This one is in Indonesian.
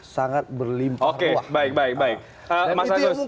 sangat berlimpah ruang